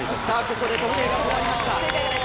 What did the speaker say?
ここで時計が止まりました。